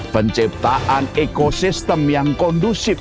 penciptaan ekosistem yang kondusif